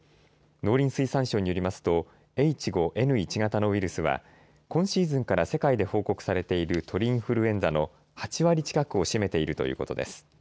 農林水産省によりますとＨ５Ｎ１型のウイルスは今シーズンから世界で報告されている鳥インフルエンザの８割近くを占めているということです。